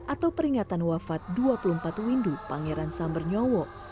atau peringatan wafat dua puluh empat windu pangeran sambernyowo